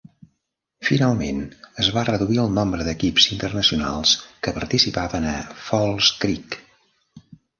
Finalment, es va reduir el nombre d'equips internacionals que participaven a False Creek.